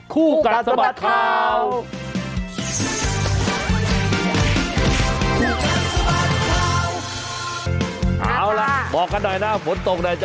รูปใคร